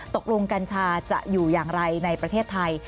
กัญชาจะอยู่อย่างไรในประเทศไทย